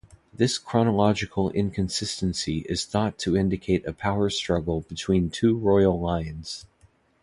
This chronological inconsistency is thought to indicate a power struggle between two royal lines.